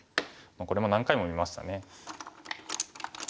これも何回も見ましたね。